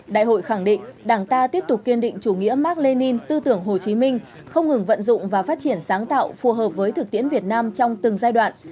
đại hội khẳng định đảng ta tiếp tục kiên định chủ nghĩa mark lenin tư tưởng hồ chí minh không ngừng vận dụng và phát triển sáng tạo phù hợp với thực tiễn việt nam trong từng giai đoạn